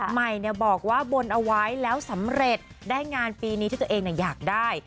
ใหม่บอกว่าบนเอาไว้แล้วสำเร็จได้งานปีนี้ที่ตัวเองอยากได้